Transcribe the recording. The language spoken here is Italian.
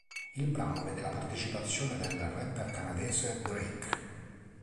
Il brano vede la partecipazione del rapper canadese Drake.